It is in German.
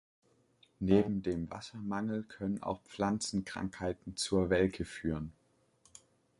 Neben dem Wassermangel können auch Pflanzenkrankheiten zur Welke führen.